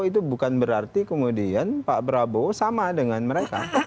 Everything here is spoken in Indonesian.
itu bukan berarti kemudian pak prabowo sama dengan mereka